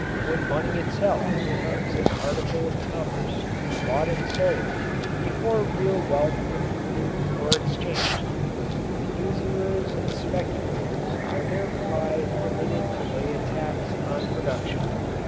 When money itself becomes an article of commerce to be bought and sold before real wealth can be moved or exchanged, the usurers and speculators are thereby permitted to lay a tax on production.